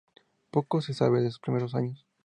Poco se sabe de sus primeros años.